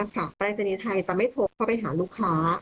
ปรายศนีย์ไทยจะไม่พกเข้าไปหาลูกค้า